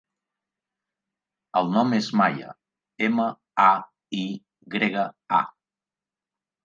El nom és Maya: ema, a, i grega, a.